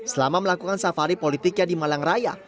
selama melakukan safari politiknya di malang raya